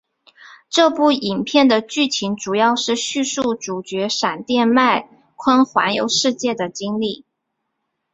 这部影片的剧情主要是叙述主角闪电麦坤环游世界的经历。